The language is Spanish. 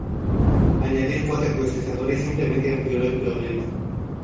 Añadir cuatro procesadores simplemente empeoró el problema.